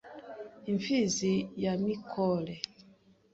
Imfizi ya Mikore